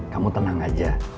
kamu tenang aja